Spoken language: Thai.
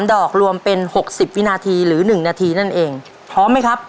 ดอกรวมเป็น๖๐วินาทีหรือ๑นาทีนั่นเองพร้อมไหมครับ